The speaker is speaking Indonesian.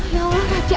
ya allah raja